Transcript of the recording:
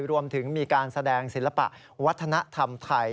รวมถึงมีการแสดงศิลปะวัฒนธรรมไทย